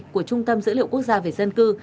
của trung tâm dữ liệu quốc gia về dân cư